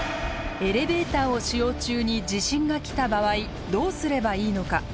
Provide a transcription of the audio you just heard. エレベーターを使用中に地震が来た場合どうすればいいのか？